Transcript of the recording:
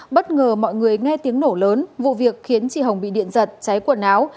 bất ngờ mọi người nghe tiếng nổ lớn vụ việc khiến chị hồng bị điện giật cháy quần áo